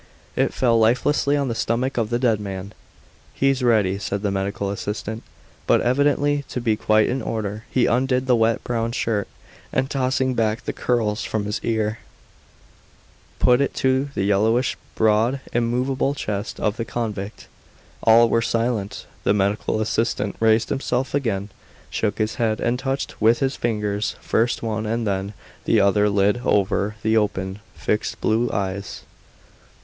It fell lifelessly on the stomach of the dead man. "He's ready," said the medical assistant, but, evidently to be quite in order, he undid the wet, brown shirt, and tossing back the curls from his ear, put it to the yellowish, broad, immovable chest of the convict. All were silent. The medical assistant raised himself again, shook his head, and touched with his fingers first one and then the other lid over the open, fixed blue eyes.